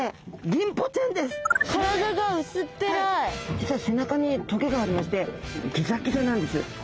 実は背中にトゲがありましてギザギザなんです。